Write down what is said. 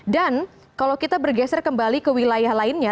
dan kalau kita bergeser kembali ke wilayah lainnya